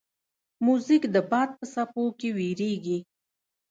موزیک د باد په څپو کې ویریږي.